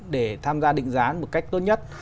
để tham gia định giá một cách tốt nhất